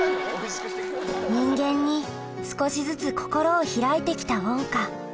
人間に少しずつ心を開いて来たウォンカ